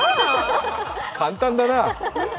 簡単だな！